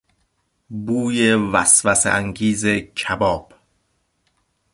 بوی وسوسهانگیز کباب